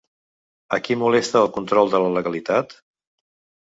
A qui molesta el control de la legalitat?